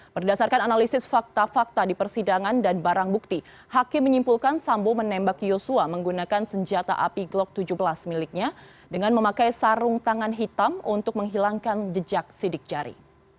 berdasarkan analisis fakta fakta di persidangan dan barang bukti hakim menyimpulkan sambo menembak yosua menggunakan senjata api glock tujuh belas miliknya dengan memakai sarung tangan hitam untuk menghilangkan jejak sidik jari